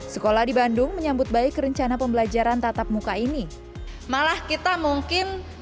sekolah di bandung menyambut baik rencana pembelajaran tatap muka ini malah kita mungkin